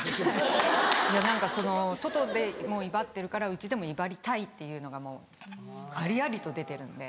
何か外でも威張ってるからうちでも威張りたいっていうのがもうありありと出てるんで。